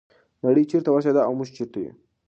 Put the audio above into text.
نړۍ چیرته ورسیده او موږ چیرته؟